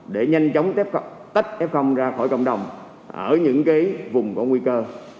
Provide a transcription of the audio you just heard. để nhanh chóng tách f ra khỏi cộng đồng ở những vùng có nguy cơ